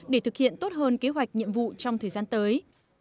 để thực hiện tốt hơn kế hoạch nhiệm vụ trong thời gian tới